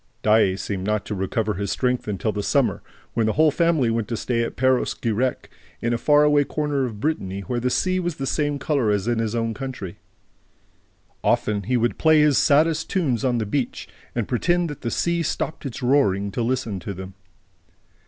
Daae seemed not to recover his strength until the summer, when the whole family went to stay at Perros Guirec, in a far away corner of Brittany, where the sea was of the same color as in his own country. Often he would play his saddest tunes on the beach and pretend that the sea stopped its roaring to listen to them.